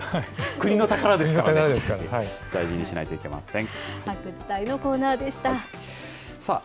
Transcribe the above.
国の宝ですからね、大事にしないといけません。